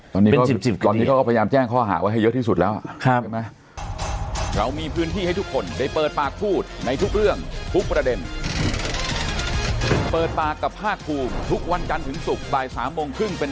ตอนนี้เขาก็พยายามแจ้งข้อหาไว้ให้เยอะที่สุดแล้ว